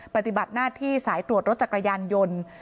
ปฏิบัติหน้าที่สายตรวจรถจักรยานยนต์